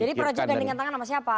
jadi projek gandengan tangan sama siapa